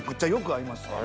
合います